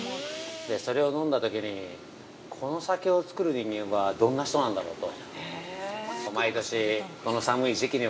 それを飲んだときにこの酒を造る人間はどんな人なんだろうと。